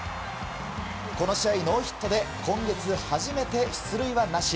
この試合、ノーヒットで今月初めて出塁はなし。